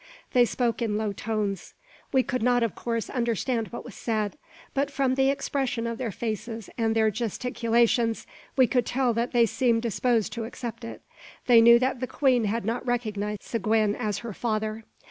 They spoke in low tones. We could not, of course, understand what was said; but from the expression of their faces, and their gesticulations, we could tell that they seemed disposed to accept it. They knew that the queen had not recognised Seguin as her father.